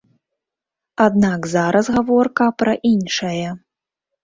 Аднак зараз гаворка пра іншае.